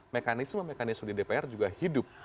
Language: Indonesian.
mekanisme mekanisme di dpr juga hidup